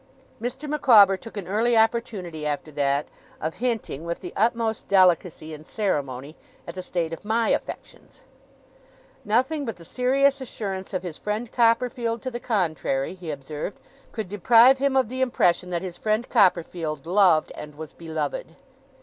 Mr. Micawber took an early opportunity, after that, of hinting, with the utmost delicacy and ceremony, at the state of my affections. Nothing but the serious assurance of his friend Copperfield to the contrary, he observed, could deprive him of the impression that his friend Copperfield loved and was beloved.